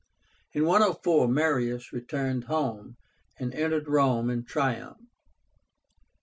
In 104 Marius returned home, and entered Rome in triumph.